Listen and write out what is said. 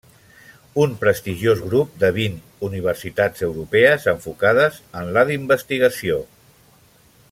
Un prestigiós grup de vint universitats europees enfocades en la d'investigació.